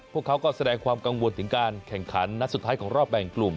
พวกเขาก็แสดงความกังวลถึงการแข่งขันนัดสุดท้ายของรอบแบ่งกลุ่ม